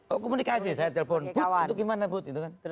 oh komunikasi saya telepon bud itu gimana bud